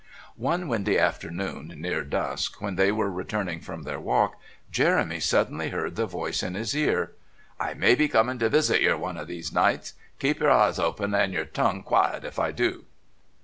One windy afternoon, near dusk, when they were returning from their walk, Jeremy suddenly heard the voice in his ear: "I may be coming to visit yer one o' these nights. Keep yer eyes open and yer tongue quiet if I do."